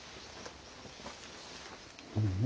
うん？